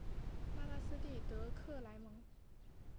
拉巴斯蒂德克莱蒙。